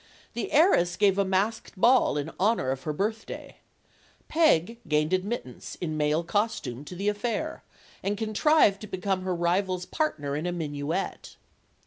The heiress gave a masked ball in honor of her birthday. Peg gained admittance, in male costume, to the affair, and contrived to become her rival's partner in a minuet.